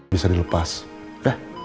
bisa dilepas ya